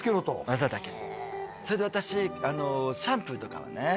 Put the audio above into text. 技だけそれで私シャンプーとかはね